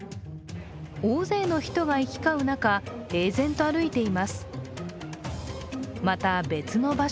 大勢の人が行き交う中、平然と歩いています。